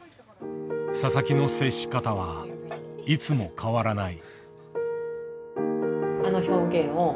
佐々木の接し方はいつも変わらない。